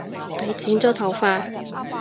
你剪咗頭髮？